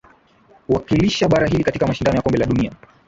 wakilisha bara hili katika mashindano ya kombe la dunia